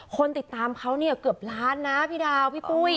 คนติดตามเขาเนี่ยเกือบล้านนะพี่ดาวพี่ปุ้ย